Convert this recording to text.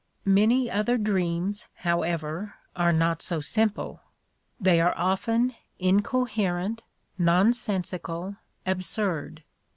Many other dreams, however, are not so simple: they are often incoherent, nonsensical, ab surd.